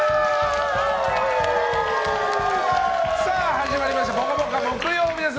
始まりました「ぽかぽか」木曜日です！